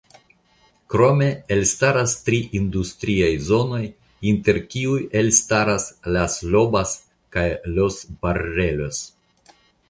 Krome estas tri industriaj zonoj inter kiuj elstaras "Las Lobas" kaj "Los Barreros".